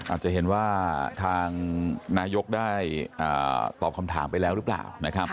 อาจจะเห็นว่าทางนายกได้ตอบคำถามไปแล้วหรือเปล่านะครับ